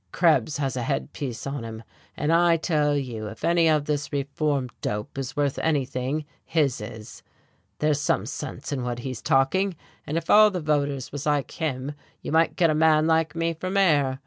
Krebs has a head piece on him, and I tell you if any of this reform dope is worth anything his is. There's some sense in what he's talking, and if all the voters was like him you might get a man like me for mayor.